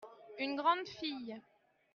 une grande fille.